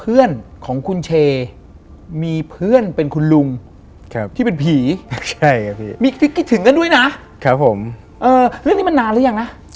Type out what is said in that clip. เออเรื่องนี้มันนานหรือยังนะ